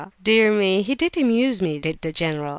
dear me! He did amuse me, did the general!